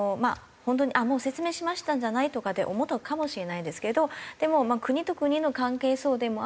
説明しましたじゃない？とかって思ってるかもしれないですけどでも国と国の関係そうでもあるし